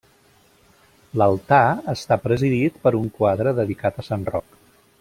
L'altar està presidit per un quadre dedicat a Sant Roc.